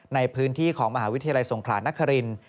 ในพื้นที่ของมหาวิทยาลัยสงขลานครินทร์